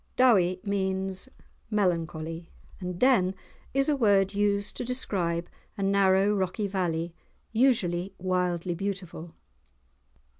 "Dowie" means melancholy, and "den" is a word used to describe a narrow, rocky valley, usually wildly beautiful.